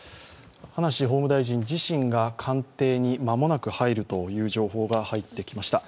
葉梨法務大臣自身が官邸に間もなく入るという情報が入ってきました。